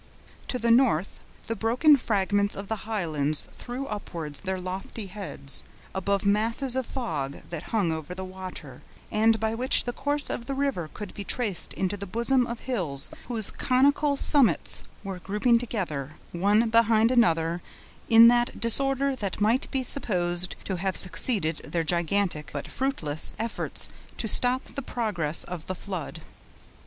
To the north, the broken fragments of the Highlands threw upwards their lofty heads, above masses of fog that hung over the water, and by which the course of the river could be traced into the bosom of hills whose conical summits were grouping togather, one behind another, in that disorder which might be supposed to have succeeded their gigantic, but fruitless, efforts to stop the progress of the flood.